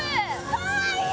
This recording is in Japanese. かわいい！